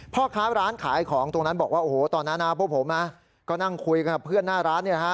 พ่อค้าร้านขายของตรงนั้นบอกว่าโอ้โหตอนนั้นนะพวกผมก็นั่งคุยกับเพื่อนหน้าร้านเนี่ยฮะ